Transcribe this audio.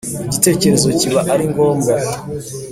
igitekerezo kiba ari ngombwa